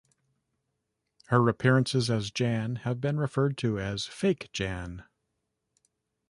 Her appearances as Jan have been referred to as 'Fake Jan'.